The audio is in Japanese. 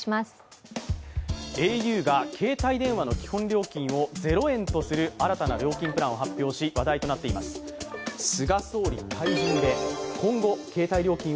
ａｕが携帯電話の基本料金を０円とする新たな料金プランを発表し話題となっています。